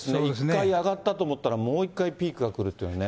１回上がったと思ったら、もう一回ピークが来るっていうのはね。